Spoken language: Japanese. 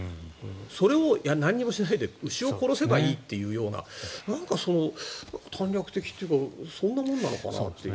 それを何もしないで牛を殺せばいいというようななんか短絡的というかそんなものなのかな？という。